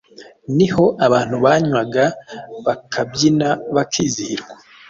ni ho abantu banywaga bakabyina bakizihirwa.